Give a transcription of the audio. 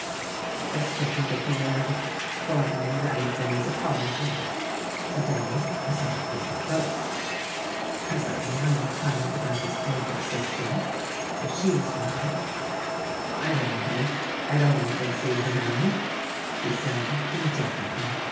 I sickened at the word ; formerly that had been his apology; to day, I saw it was his boast. Pres ently I inquired about his favourite sister, if she was weU. "I don't know, I don't often see her now," he said indifferently.